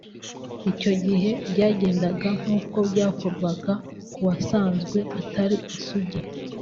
Icyo gihe byagendaga nk’uko byakorwaga k’uwasanzwe atari isugi